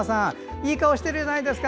いい顔してるじゃないですか。